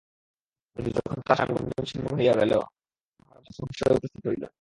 কিন্তু যখন তাহার স্বামী বন্ধন ছিন্ন করিয়া গেল তখন তাহার মনে সংশয় উপস্থিত হইল।